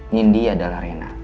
mindy adalah reina